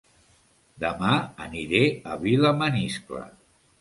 Dema aniré a Vilamaniscle